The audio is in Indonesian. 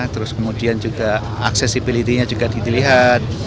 terus kemudian juga aksesibilitinya juga dilihat